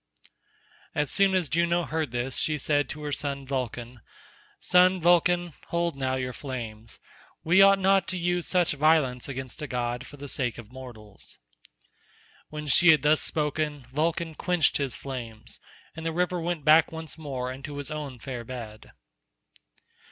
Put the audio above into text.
As soon as Juno heard this she said to her son Vulcan, "Son Vulcan, hold now your flames; we ought not to use such violence against a god for the sake of mortals." When she had thus spoken Vulcan quenched his flames, and the river went back once more into his own fair bed.